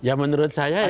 ya menurut saya ya